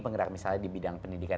penggerak misalnya di bidang pendidikan